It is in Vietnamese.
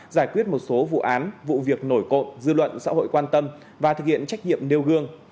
giải quyết một số vụ án vụ việc nổi cộm dư luận xã hội quan tâm và thực hiện trách nhiệm nêu gương